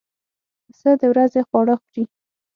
پسه د ورځې خواړه خوري.